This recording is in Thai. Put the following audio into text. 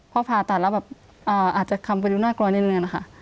พอผ่าตัดแล้วแบบอ่าอาจจะคำเป็นดุนอดกรณ์เรื่องเรื่องนะคะ